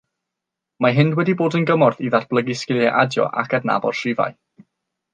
Mae hyn wedi bod yn gymorth i ddatblygu sgiliau adio ac adnabod rhifau.